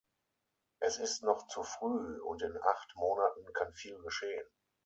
Es ist noch zu früh, und in acht Monaten kann viel geschehen.